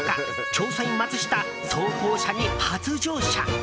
調査員マツシタ装甲車に初乗車。